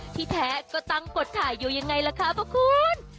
ที่แท้ก็ตั้งกดถ่ายอยู่ยังไงล่ะคะพระคุณ